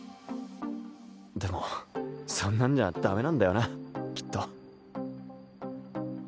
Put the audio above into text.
でもそんなんじゃダメなんだよなきっと。